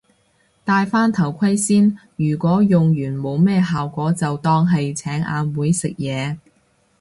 戴返頭盔先，如果用完冇咩效果就當係請阿妹食嘢